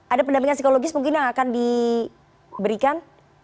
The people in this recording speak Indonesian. ada pendampingan psikologis mungkin yang akan diberikan